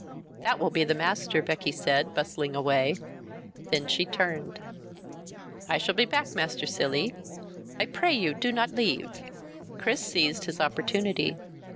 "That will be the master," Becky said, bustling away. Then she turned. "I shall be back, Master Cilley! I pray you, do not leave!" Chris seized his opportunity.